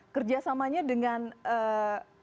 kerjasamanya dengan bos